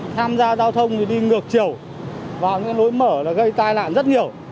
tham gia giao thông thì đi ngược chiều vào những nối mở là gây tai lạn rất nhiều